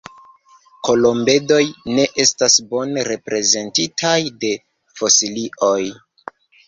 Kolombedoj ne estas bone reprezentitaj de fosilioj.